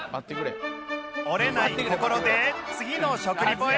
折れない心で次の食リポへ